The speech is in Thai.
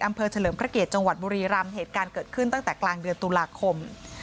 เฉลิมพระเกียรติจังหวัดบุรีรำเหตุการณ์เกิดขึ้นตั้งแต่กลางเดือนตุลาคม